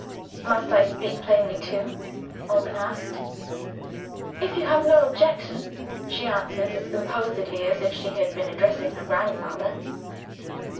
"Must I speak plainly, too?" Alban asked. "If you have no objection," she answered, as composedly as if she had been addressing her grandfather.